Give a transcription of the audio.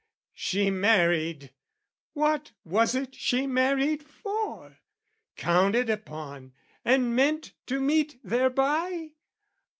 She married: what was it she married for, Counted upon and meant to meet thereby?